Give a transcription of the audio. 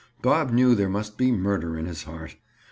Bob knew there must be murder in his heart.